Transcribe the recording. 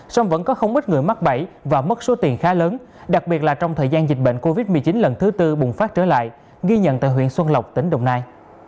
song vẫn có không ít người mắc bẫy và mất số tiền khá lớn đặc biệt là trong thời gian dịch bệnh covid một mươi chín lần thứ tư bùng phát trở lại ghi nhận tại huyện xuân lộc tỉnh đồng nai